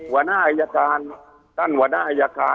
หัวหน้าอายการท่านหัวหน้าอายการ